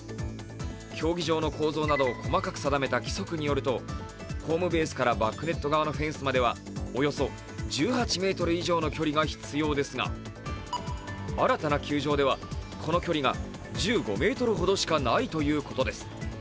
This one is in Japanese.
競技場の構造などを細かく定めた規則によるとホームベースからバックネット側のフェンスまでは１８ｍ以上の距離が必要ですが新たな球場ではこの距離が１５ｍほどしかないとのことです。